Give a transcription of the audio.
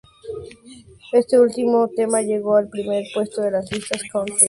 Este último tema llegó al primer puesto de las listas "country".